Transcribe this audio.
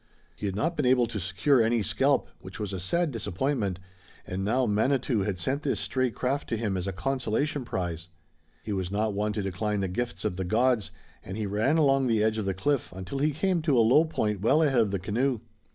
He had not been able to secure any scalp, which was a sad disappointment, and now Manitou had sent this stray craft to him as a consolation prize. He was not one to decline the gifts of the gods, and he ran along the edge of the cliff until he came to a low point well ahead of the canoe.